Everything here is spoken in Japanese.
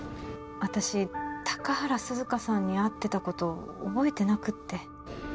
私高原涼香さんに会ってたこと覚えてなくって